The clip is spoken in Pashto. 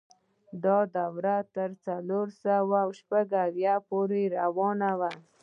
دا دوره تر څلور سوه شپږ اویا پورې روانه وه.